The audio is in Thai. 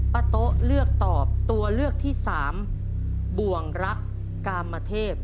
โต๊ะเลือกตอบตัวเลือกที่สามบ่วงรักกามเทพ